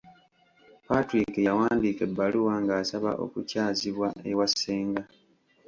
Patrick yawandiika ebbaluwa ng'asaba okukyazibwa ewa ssenga.